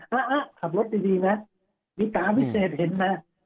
ขับรถดีนะมีตาพิเศษเห็นนะ